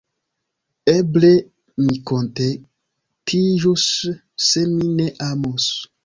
Eble mi kontentiĝus se mi ne amus.